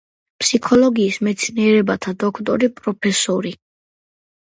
ფსიქოლოგიის მეცნიერებათა დოქტორი, პროფესორი.